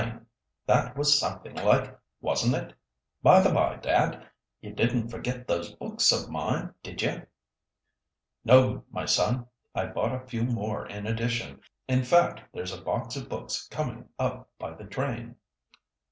That was something like, wasn't it? By the bye, dad, you didn't forget those books of mine, did you?" "No, my son! I bought a few more in addition. In fact, there's a box of books coming up by the train."